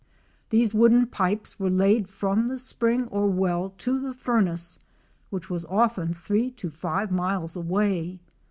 These wooden pipes were laid from the spring or well to the furnace, which was often three to five miles away.